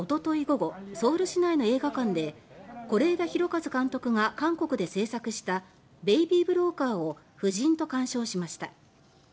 午後ソウル市内の映画館で是枝裕和監督が韓国で制作した「ベイビー・ブローカー」を夫人と鑑賞しました。